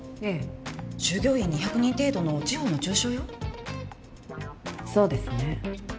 ええ従業員２００人程度の地方の中小よそうですね